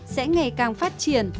sẽ ngày càng phát triển